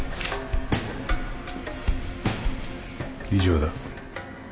以上だ。